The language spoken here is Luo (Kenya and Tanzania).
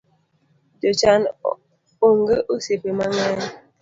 Jochan onge osiepe mang’eny